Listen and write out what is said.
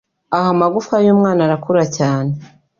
Aha amagufwa y’umwana arakura cyane